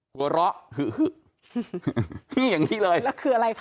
หัวเราะอย่างนี้เลยแล้วคืออะไรคะ